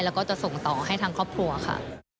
แล้วก็จะส่งต่อให้ทางครอบครัวค่ะ